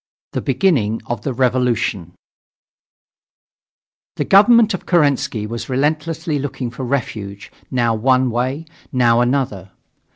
THE BEGINNING OF THE REVOLUTION The government of Kerensky was restlessly looking for refuge, now one way, now another.